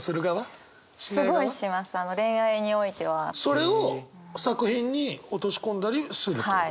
それを作品に落とし込んだりするってこと？